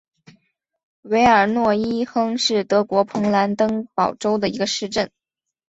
韦尔诺伊亨是德国勃兰登堡州的一个市镇。